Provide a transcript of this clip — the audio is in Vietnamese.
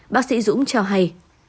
bác sĩ dũng cho hay